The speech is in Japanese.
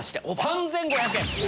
３５００円！